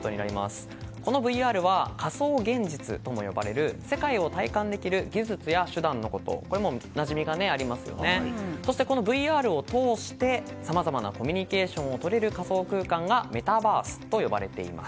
このＶＲは仮想現実とも呼ばれ世界を体感できる技術や手段のことでそして、このＶＲを通してさまざまなコミュニケーションをとれる仮想空間がメタバースと呼ばれています。